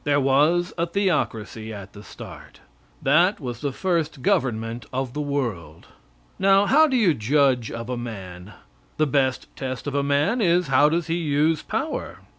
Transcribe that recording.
There was a theocracy at the start. That was the first government of the world. Now, how do you judge of a man? The best test of a man is, how does he use power?